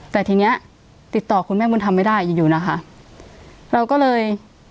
แต่ทีเนี้ยติดต่อคุณแม่บุญธรรมไม่ได้อยู่อยู่นะคะเราก็เลย